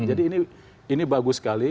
jadi ini bagus sekali